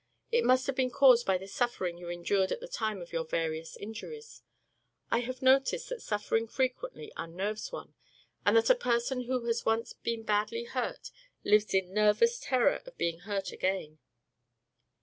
"It must have been caused by the suffering you endured at the time of your various injuries. I have noticed that suffering frequently unnerves one, and that a person who has once been badly hurt lives in nervous terror of being hurt again."